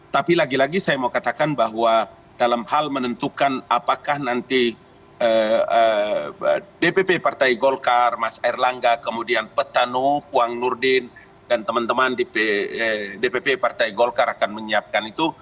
tapi lagi lagi saya mau katakan bahwa dalam hal menentukan apakah nanti dpp partai golkar mas erlangga kemudian petanu kuang nurdin dan teman teman di dpp partai golkar akan menyiapkan itu